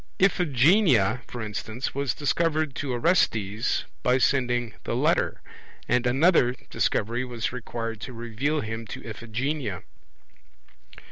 Iphigenia, for instance, was discovered to Orestes by sending the letter; and another Discovery was required to reveal him to Iphigenia.